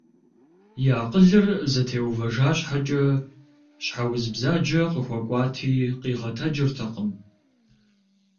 И акъылыр зэтеувэжа щхьэкӏэ, щхьэ уз бзаджэ къыхуэкӏуати къигъэтэджыртэкъым.